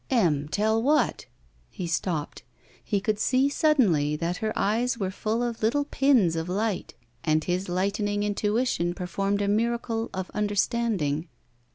Em, tell what?" And stopped. He could see suddenly that her eyes were full of new pins of light and his lightening intuition perf onned a miracle of understanding.